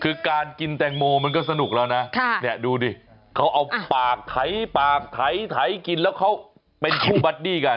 คือการกินแตงโมมันมันก็สนุกแล้วนะ